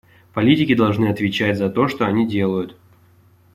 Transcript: Политики должны отвечать за то, что они делают.